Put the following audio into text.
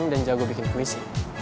dan jago bikin kulisi